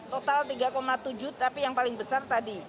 total tiga tujuh tapi yang paling besar tadi